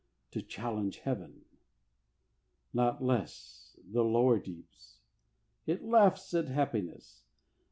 To challenge heaven. Not less The lower deeps. It laughs at Happiness!